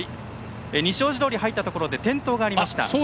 西大路通に入ったところで転倒がありました。